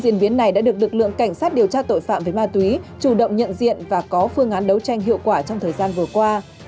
diễn biến này đã được lực lượng cảnh sát điều tra tội phạm về ma túy chủ động nhận diện và có phương án đấu tranh hiệu quả trong thời gian vừa qua